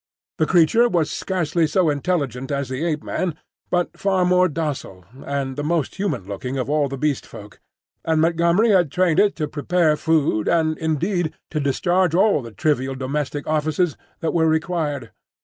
The creature was scarcely so intelligent as the Ape man, but far more docile, and the most human looking of all the Beast Folk; and Montgomery had trained it to prepare food, and indeed to discharge all the trivial domestic offices that were required.